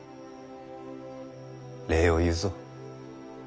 礼を言うぞ。